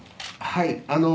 はい。